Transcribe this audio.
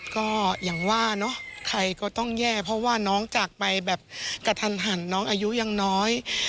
ก็อย่างว่าเนอะใครก็ต้องแย่เพราะว่าน้องจากไปแบบกระทันหันน้องอายุยังน้อย